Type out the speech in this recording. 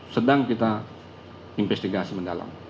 sedang kita investigasi mendalam